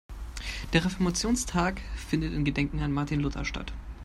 Der Reformationstag findet in Gedenken an Martin Luther statt.